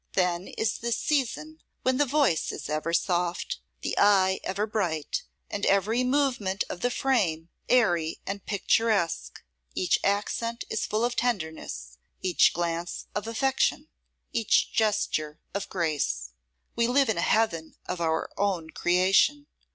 Then is the season when the voice is ever soft, the eye ever bright, and every movement of the frame airy and picturesque; each accent is full of tenderness; each glance, of affection; each gesture, of grace. We live in a heaven of our own creation.